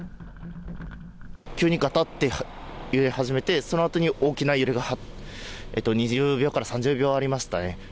急にがたって揺れ始めて、そのあとに大きな揺れが２０秒から３０秒ありましたね。